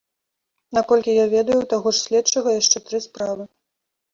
Наколькі я ведаю, у таго ж следчага яшчэ тры справы.